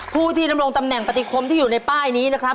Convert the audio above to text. ผู้ที่ดำรงตำแหน่งปฏิคมที่อยู่ในป้ายนี้นะครับ